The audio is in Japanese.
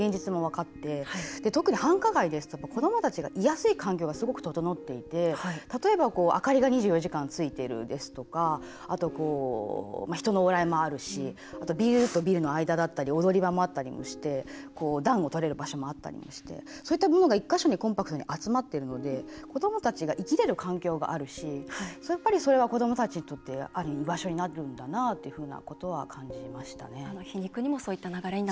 現実も分かって特に繁華街って子どもたちがいやすい環境がすごく整っていて例えば明かりが２４時間ついているですとか人の往来もあるしビルとビルの間だったり踊り場だったりして暖をとれる場所があったりしてそういったものが１箇所にコンパクトに集まっているので生きられる環境があるしそれは子どもたちにとって居場所になるんだなと感じましたね。